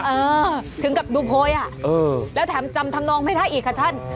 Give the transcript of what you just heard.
เออถึงกับดูโพยอ่ะเออแล้วแถมจำทำนองไม่ได้อีกค่ะท่าน